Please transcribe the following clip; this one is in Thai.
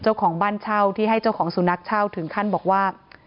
เจ้าของบ้านเช่าที่ให้เจ้าของสุนัขเช่าถึงขั้นบอกว่า